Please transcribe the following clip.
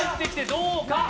どうか？